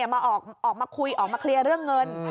ออกมาคุยออกมาเคลียร์เรื่องเงิน